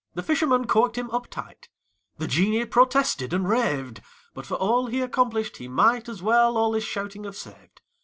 The fisherman corked him up tight: The genie protested and raved, But for all he accomplished, he might As well all his shouting have saved.